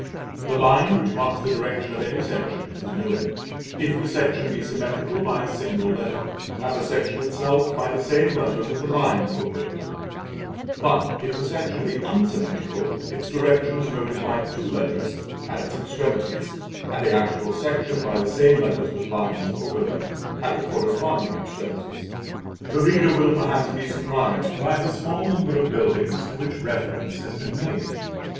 The line which marks the direction of any section is noted, if the section be symmetrical, by a single letter; and the section itself by the same letter with a line over it, a. [=a]. But if the section be unsymmetrical, its direction is noted by two letters, a. a. a_2 at its extremities; and the actual section by the same letters with lines over them, [=a]. [=a]. [=a]_2, at the corresponding extremities. The reader will perhaps be surprised by the small number of buildings to which reference has been made.